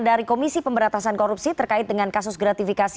dari komisi pemberatasan korupsi terkait dengan kasus gratifikasi